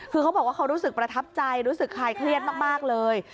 คือเขาบอกว่าเขารู้สึกประทับใจรู้สึกคลายเครียดมากเลย